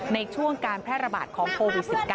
ในช่วงการแพร่ระบาดของโควิด๑๙